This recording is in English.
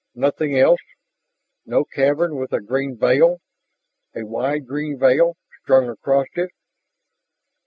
"Nothing else? No cavern with a green veil a wide green veil strung across it?"